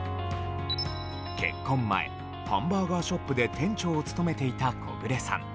結婚前、ハンバーガーショップで店長を務めていた小暮さん。